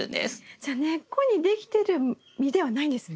じゃあ根っこにできてる実ではないんですね。